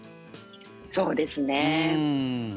そうですね。